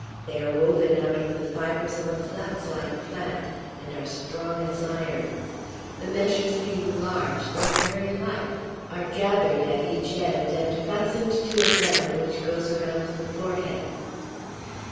They are woven out of the fibres of a flax like plant, and are strong as iron. The meshes being large, they are very light; are gathered at each end, and fastened to a band which goes around the forehead.